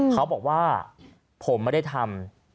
เขาบอกว่าผมไม่ได้ทำ